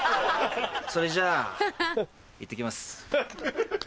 それじゃあいってきます。